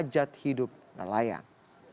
dan menjaga kemampuan dan kemampuan orang lain